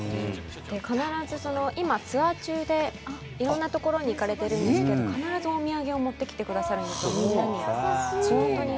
必ず今、ツアー中でいろんなところに行かれているんですけれども、必ずお土産を持ってきてくださるんですよ、みんなに。